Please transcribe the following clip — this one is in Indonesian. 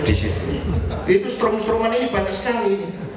itu strom stroman ini banyak sekali